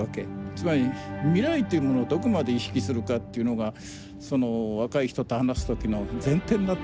つまり未来というものをどこまで意識するかっていうのが若い人と話す時の前提になってるわけでしょ。